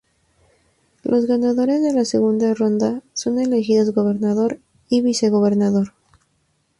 Los ganadores de la segunda ronda son elegidos Gobernador y Vicegobernador.